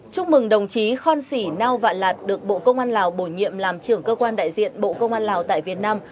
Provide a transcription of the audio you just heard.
chúc mừng đồng chí khon sĩ nao vạn lạt được bộ công an lào bổ nhiệm làm trưởng cơ quan đại diện bộ công an lào tại việt nam